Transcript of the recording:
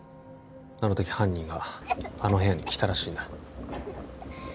あの時犯人があの部屋に来たらしいんだ